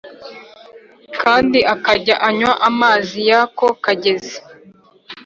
kandi akajya anywa amazi y’ako kagezi